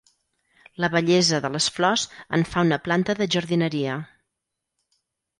La bellesa de les flors en fa una planta de jardineria.